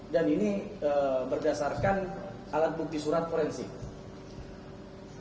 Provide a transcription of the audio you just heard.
dan ini berdasarkan alat bukti surat forensik